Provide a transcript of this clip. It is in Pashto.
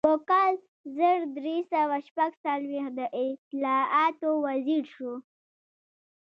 په کال زر درې سوه شپږ څلویښت د اطلاعاتو وزیر شو.